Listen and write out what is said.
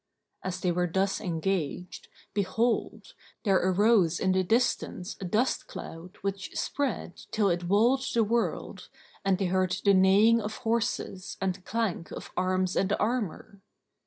As they were thus engaged, behold, there arose in the distance a dust cloud which spread till it walled the world, and they heard the neighing of horses and clank of arms and armour.